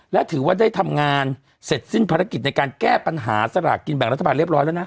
และถือว่าได้ทำงานเสร็จสิ้นภารกิจในการแก้ปัญหาสลากกินแบ่งรัฐบาลเรียบร้อยแล้วนะ